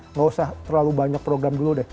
nggak usah terlalu banyak program dulu deh